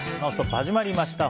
始まりました。